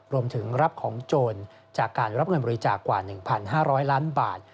รวมถึงรับของโจรจากการรับเงินบริจาคกว่า๑๕๐๐ล้านบาท